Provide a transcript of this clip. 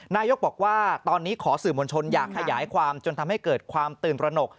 นายกบอกว่าตอนนี้ขอสื่อมวลชนอยากขยายความจนทำให้เกิดความตื่นตระหนก